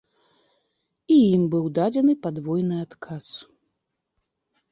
І ім быў дадзены падвойны адказ.